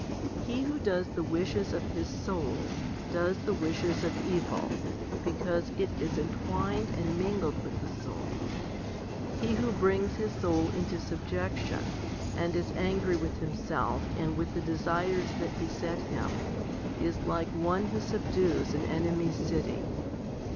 He who does the wishes of his soul, does the wishes of evil, 3 because it is entwined and mingled with the soul. He who brings his soul into subjection, and is angry with himself and with the desires that beset him, is like one who subdues an enemy's city.